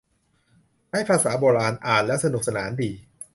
ใช้ภาษาโบราณ อ่านแล้วสนุกสนานดี